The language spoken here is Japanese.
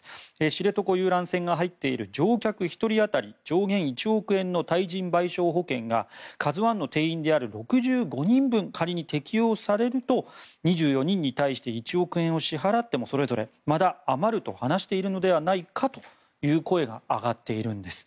知床遊覧船が入っている乗客１人当たり上限１億円の対人賠償保険が「ＫＡＺＵ１」の定員である６５人分仮に適用されると２４人に対して１億円をそれぞれ支払ってもまだ余ると話しているのではないかという声が上がっているんです。